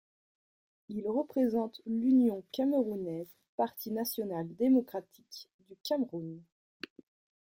Il représente l’Union camerounaise-Parti national-démocratique du Cameroun.